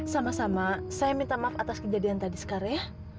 sama sama saya minta maaf atas kejadian tadi sekarang ya